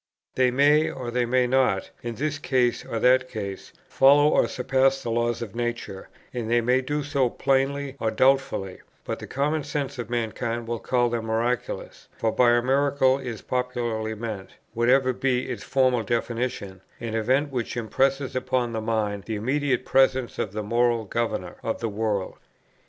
They may, or they may not, in this or that case, follow or surpass the laws of nature, and they may do so plainly or doubtfully, but the common sense of mankind will call them miraculous; for by a miracle is popularly meant, whatever be its formal definition, an event which impresses upon the mind the immediate presence of the Moral Governor of the world.